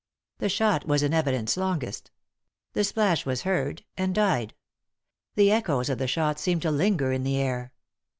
The shot was in evidence longest. The splash was heard, and died. The echoes of the shot seemed to linger in the air.